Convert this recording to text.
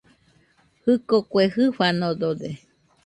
Jɨko kue jɨfanodode